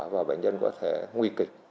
và bệnh nhân có thể nguy kịch